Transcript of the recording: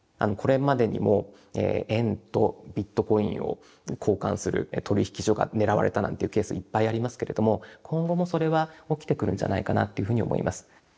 これまでにも円とビットコインを交換する取引所が狙われたなんていうケースいっぱいありますけれども今後もそれは起きてくるんじゃないかなっていうふうに思います。